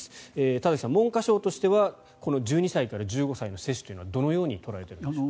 田崎さん、文科省としては１２歳から１５歳の接種というのはどのように捉えているんでしょう。